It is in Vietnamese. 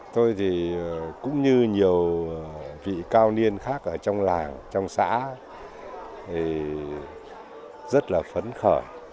tôi cũng như nhiều vị cao niên khác ở trong làng trong xã rất là phấn khởi